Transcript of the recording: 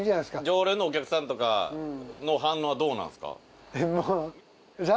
常連のお客さんとかの反応はどうなんすか？